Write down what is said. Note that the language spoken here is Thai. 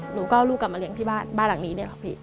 หนูก็เอาลูกกลับมาเลี้ยงที่บ้านบ้านหลังนี้เนี่ยค่ะพี่